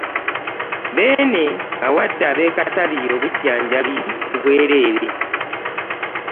Beene awadde ab'e Katabi obujjanjabi ku bwereere